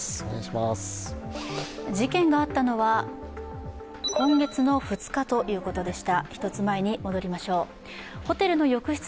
事件があったのは今月の２日でした。